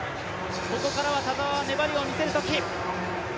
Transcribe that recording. ここからは田澤は粘りを見せるとき。